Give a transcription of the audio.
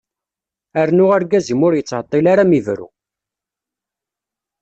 Rnu argaz-im ur yettɛeṭil ara ad m-ibru.